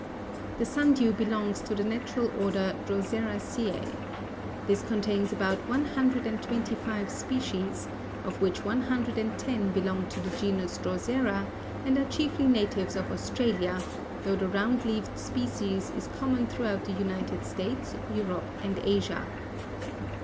The sundew belongs to the natural order Droseraceæ. This contains about one hundred and twenty five species, of which one hundred and ten belong to the genus Drosera, and are chiefly natives of Australia, though the round leaved species is common throughout the United States, Europe, and Asia.